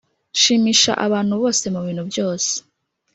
nshimisha abantu bose mu bintu byose